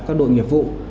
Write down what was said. các đội nghiệp vụ